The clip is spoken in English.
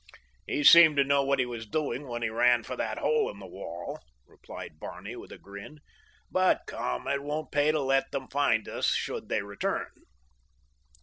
"He seemed to know what he was doing when he ran for that hole in the wall," replied Barney with a grin. "But come, it won't pay to let them find us should they return."